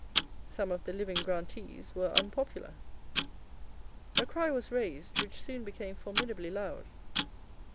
Some of the living grantees were unpopular. A cry was raised which soon became formidably loud.